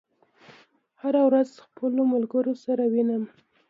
هره ورځ خپلو ملګرو سره وینم